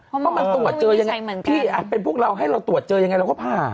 เพราะมันตรวจเจอยังไงพี่เป็นพวกเราให้เราตรวจเจอยังไงเราก็ผ่า